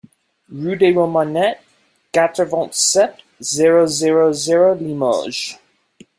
Rue de Romanet, quatre-vingt-sept, zéro zéro zéro Limoges